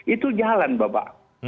itu jalan bapak